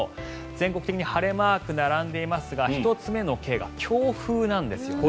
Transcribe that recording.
全国的に晴れマーク並んでいますが、１つ目のＫが強風なんですよね。